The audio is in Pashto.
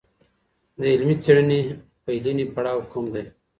د علمي څېړني پیلنی پړاو کوم دی؟